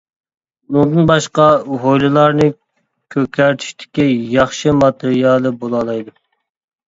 ئۇنىڭدىن باشقا، ھويلىلارنى كۆكەرتىشتىكى ياخشى ماتېرىيالى بولالايدۇ.